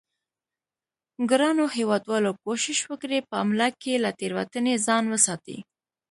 ګرانو هیوادوالو کوشش وکړئ په املا کې له تیروتنې ځان وساتئ